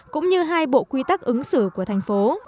cũng như hai bộ quy tắc ứng xử của thành phố